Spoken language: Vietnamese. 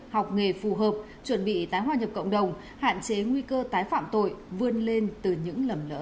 học nghề phù hợp chuẩn bị tái hoa nhập cộng đồng hạn chế nguy cơ tái phạm tội vươn lên từ những lầm lỡ